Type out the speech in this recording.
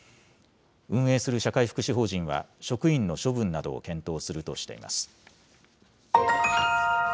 運営する社会福祉法人は、職員の処分などを検討するとしています。